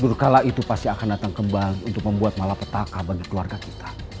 berkala itu pasti akan datang kembali untuk membuat malapetaka bagi keluarga kita